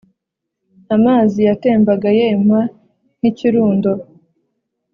amazi yatembaga yema nk’ikirundo,